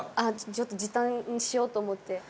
ちょっと時短しようと思って。